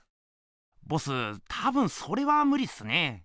ボス多分それはむりっすね。